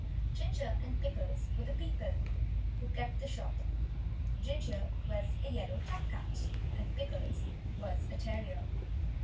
Ginger and Pickles were the people who kept the shop. Ginger was a yellow tom cat, and Pickles was a terrier.